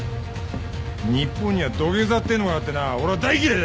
日本には土下座ってのがあってな俺は大嫌いだ！